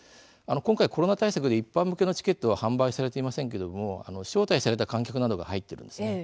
今回コロナ対策で一般向けのチケットは販売されていませんけれども招待された観客などが入っています。